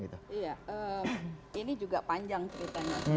iya ini juga panjang ceritanya